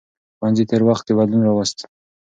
ښوونځي تېر وخت کې بدلون راوست.